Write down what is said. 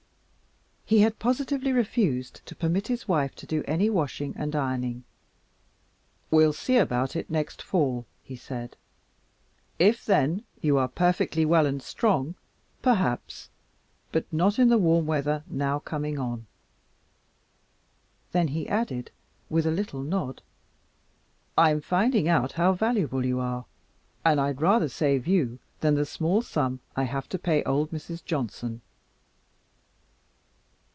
He had positively refused to permit his wife to do any washing and ironing. "We will see about it next fall," he said. "If then you are perfectly well and strong, perhaps, but not in the warm weather now coming on." Then he added, with a little nod, "I'm finding out how valuable you are, and I'd rather save you than the small sum I have to pay old Mrs. Johnson."